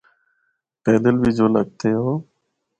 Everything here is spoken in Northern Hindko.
پیدل بھی جُل ہکدے او۔